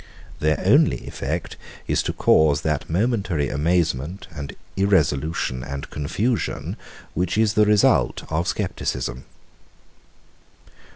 Their only effect is to cause that momentary amazement and irresolution and confusion, which is the result of scepticism.